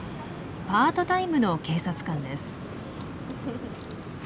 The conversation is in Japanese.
パートタイムの警察官です。